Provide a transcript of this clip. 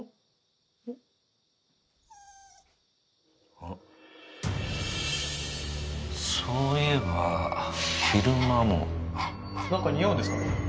あっそういえば昼間も。何か臭うんですかね？